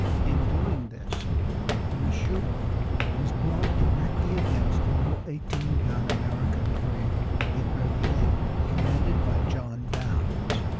In doing this the big Mashuda was brought directly against the little eighteen gun American brig Epervier, commanded by John Downes.